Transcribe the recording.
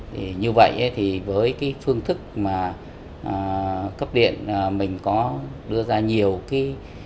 thì như vậy thì với cái phương thức mà cấp điện mình có đưa ra nhiều cái